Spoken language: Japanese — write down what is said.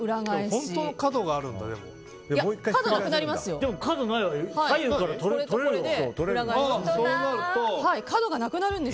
本当に角があるんだ。